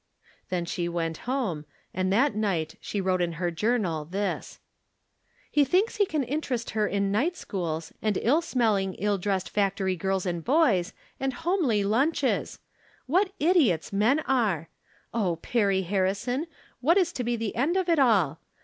Then she went home, and that night she wrote in her journal this : He thinks he can interest her in night schools, From Different Standpoints. 121 and iU smelling, ill dressed factory girls and boys, and homely limches ! What idiots men are ! Oh, Perry Harrison ! what is to be the end of it all?